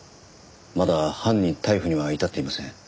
まだ犯人逮捕には至っていません。